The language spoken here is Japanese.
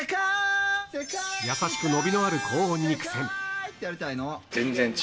優しく伸びのある高音に苦戦。